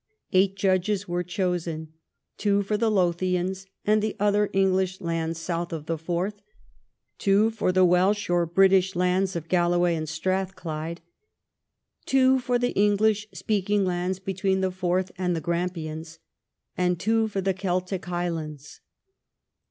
Eight judges were chosen — two for the Lothians and the other English lands south of the Forth, two for the Welsh or British lands of Galloway and Strathclyde, XII THE CONQUEST OF SCOTLAND 217 two for the English speaking lands between the Forth and the Grampians, and two for the Celtic High lands.